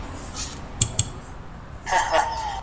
په سخته کي هم بايد عدالت هېر نه سي.